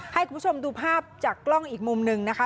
ให้คุณผู้ชมดูภาพจากกล้องอีกมุมหนึ่งนะคะ